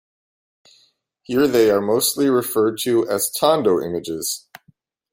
Here they are mostly referred to as tondo images.